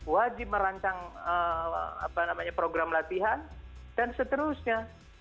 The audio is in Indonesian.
wajib merancang program latihan dan seterusnya